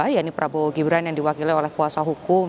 yaitu prabowo gibran yang diwakili oleh kuasa hukum